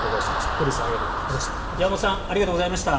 古内さん、岩本さんありがとうございました。